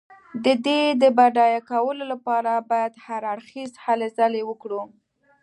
د دې د بډای کولو لپاره باید هر اړخیزې هلې ځلې وکړو.